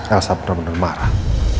elsa bener bener marah